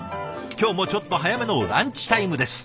今日もちょっと早めのランチタイムです。